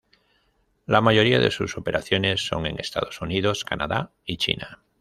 La mayoría de sus operaciones son en Estados Unidos, Canadá, y China.